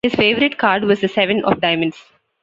His favourite card was the seven of diamonds.